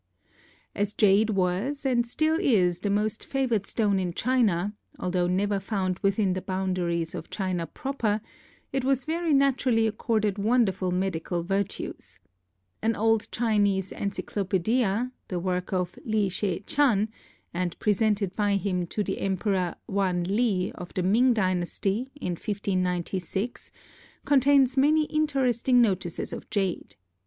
As jade was and still is the most favored stone in China, although never found within the boundaries of China proper, it was very naturally accorded wonderful medical virtues. An old Chinese encyclopedia, the work of Li She Chan, and presented by him to the emperor Wan Lih of the Ming dynasty, in 1596, contains many interesting notices of jade.